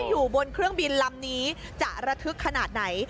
อยู่บนเครื่องบินลำนี้จะระทึกขนาดไหน